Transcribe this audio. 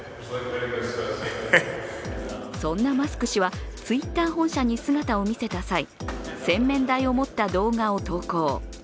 そんなマスク氏はＴｗｉｔｔｅｒ本社に姿を見せた際、洗面台を持った動画を投稿。